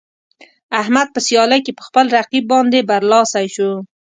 احمد په سیالۍ کې په خپل رقیب باندې برلاسی شو.